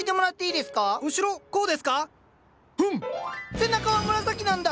背中は紫なんだ！